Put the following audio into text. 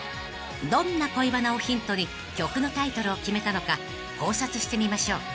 ［どんな恋バナをヒントに曲のタイトルを決めたのか考察してみましょう］